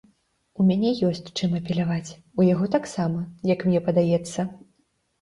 У мяне ёсць, чым апеляваць, у яго таксама, як мне падаецца.